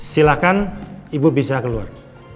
silakan ibu bisa keluar